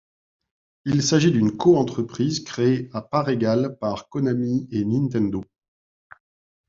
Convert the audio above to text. Il s'agit d'une coentreprise créée à part égale par Konami et Nintendo.